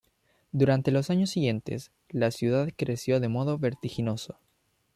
Durante los años siguientes la ciudad creció de modo vertiginoso.